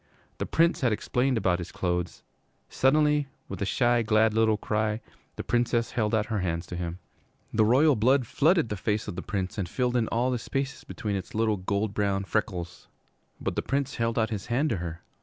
The Prince had explained about his clothes. Suddenly, with a shy, glad little cry, the Princess held out her hands to him. The royal blood flooded the face of the Prince and filled in all the spaces between its little gold brown freckles. But the Prince held out his hand to her.